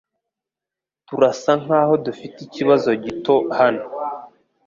Turasa nkaho dufite ikibazo gito hano .